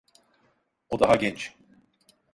O daha genç.